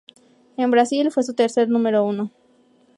En Brasil, fue su tercer número uno.